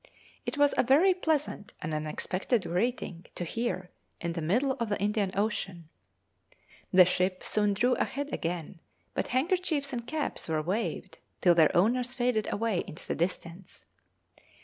It was a very pleasant and unexpected greeting to hear in the middle of the Indian Ocean. The ship soon drew ahead again, but handkerchiefs and caps were waved till their owners faded away into the distance.